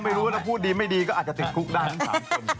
ก็ไม่รู้แล้วพูดดีไม่ดีก็อาจจะติดคุกด้านทั้งสามคน